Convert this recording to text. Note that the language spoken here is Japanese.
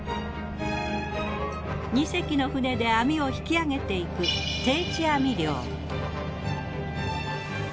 ２隻の船で網を引き上げていく定置網漁。